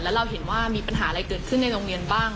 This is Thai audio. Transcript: แล้วเราเห็นว่ามีปัญหาอะไรเกิดขึ้นในโรงเรียนบ้าง